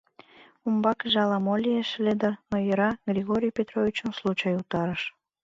Умбакыже ала-мо лиеш ыле дыр, но йӧра, Григорий Петровичым случай утарыш.